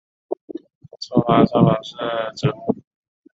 侧花沙蓬是苋科沙蓬属的植物。